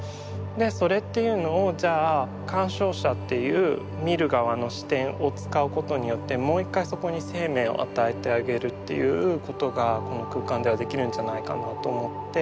でそれっていうのをじゃあ鑑賞者っていう見る側の視点を使うことによってもう１回そこに生命を与えてあげるっていうことがこの空間ではできるんじゃないかなと思って。